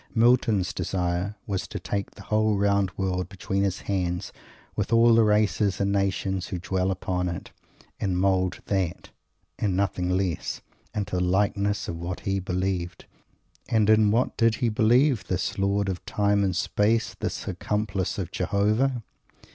Milton's desire was to take the whole round world between his hands, with all the races and nations who dwell upon it, and mould that, and nothing less, into the likeness of what he believed. And in what did he believe, this Lord of Time and Space, this accomplice of Jehovah?